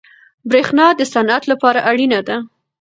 برښنا د صنعت لپاره اړینه ده.